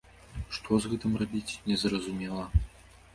Што з гэтым рабіць, незразумела.